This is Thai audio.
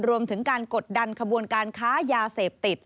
รวมถึงการกดดันขบวนการค้ายาเสพติด